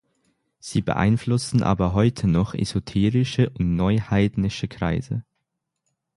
Sie beeinflussen aber heute noch esoterische und neuheidnische Kreise.